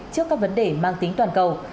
trước các vấn đề mang tính toàn cầu